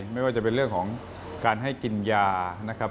ไม่ว่าจะเป็นเรื่องของการให้กินยานะครับ